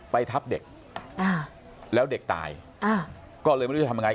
ทับเด็กอ่าแล้วเด็กตายอ่าก็เลยไม่รู้จะทำยังไง